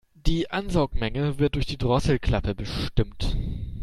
Die Ansaugmenge wird durch die Drosselklappe bestimmt.